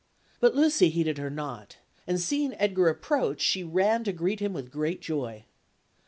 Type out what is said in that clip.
But Lucy heeded her not; and seeing Edgar approach, she ran to greet him with great joy.